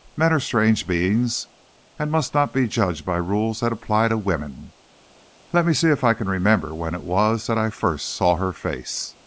Men are strange beings, and must not be judged by rules that apply to women. Let me see if I can remember when it was that I first saw her face.